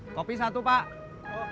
kopi satu pak